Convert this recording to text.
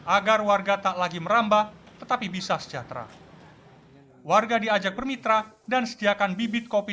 agar warga tak lagi merambah tetapi bisa sejahtera warga diajak bermitra dan sediakan bibit kopi